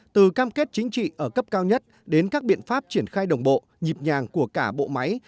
từ cam kết chính trị ở cấp cao nhất đến các biện pháp triển khai đồng bộ nhịp nhàng của cả bộ máy